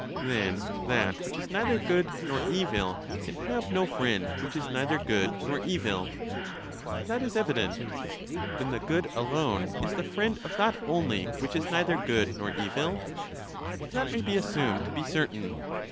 Then that which is neither good nor evil can have no friend which is neither good nor evil. That is evident. Then the good alone is the friend of that only which is neither good nor evil. That may be assumed to be certain.